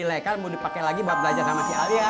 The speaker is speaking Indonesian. lekar mau dipake lagi buat belajar sama si alia